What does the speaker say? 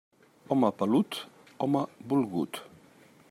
Home pelut, home volgut.